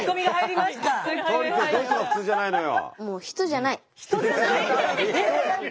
どういうのが普通じゃないのよ？